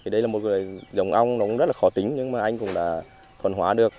đây là một người dòng ong rất khó tính nhưng mà anh cũng đã thuần hóa được